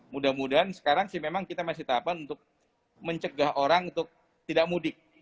mudah mudahan sekarang sih memang kita masih tahapan untuk mencegah orang untuk tidak mudik